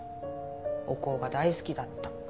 お香が大好きだった。